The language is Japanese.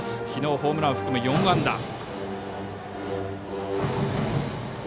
きのうホームラン含む４安打。